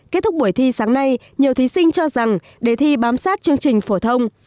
kết thúc buổi thi sáng nay nhiều thí sinh cho rằng đề thi bám sát chương trình phổ thông